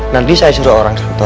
nanti saya suruh orang tua